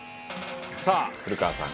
さあ古川さん